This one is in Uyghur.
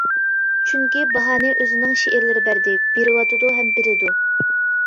چۈنكى، باھانى ئۆزىنىڭ شېئىرلىرى بەردى، بېرىۋاتىدۇ ھەم بېرىدۇ.